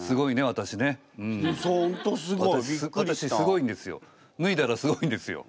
わたしすごいんですよ。